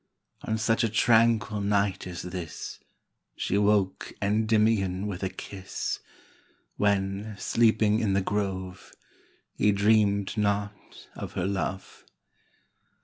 On such a tranquil night as this, io She woke Kndymion with a kis^, When, sleeping in tin grove, He dreamed not of her love.